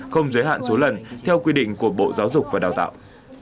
không giới hạn số lần theo quy định của bộ giáo dục và đào tạo